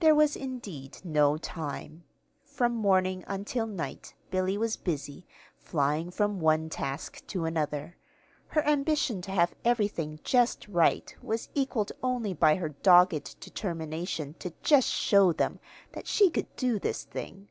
There was, indeed, no time. From morning until night Billy was busy, flying from one task to another. Her ambition to have everything just right was equalled only by her dogged determination to "just show them" that she could do this thing.